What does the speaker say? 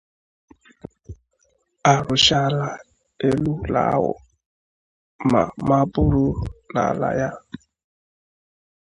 a rụchaala elu ụlọ ahụ maa mabụrụ n'ala ya